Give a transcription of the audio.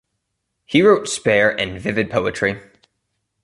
He wrote spare and vivid poetry.